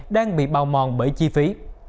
đang bị bào mòn bởi chi phí